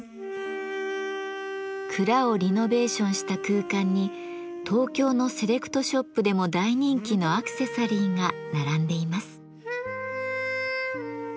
蔵をリノベーションした空間に東京のセレクトショップでも大人気のアクセサリーが並んでいます。